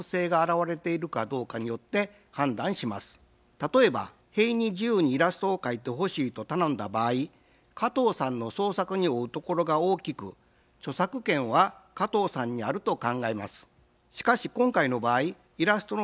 例えば塀に自由にイラストを描いてほしいと頼んだ場合加藤さんの創作に負うところが大きく著作権は加藤さんにあると考えます。